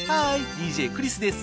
ＤＪクリスです。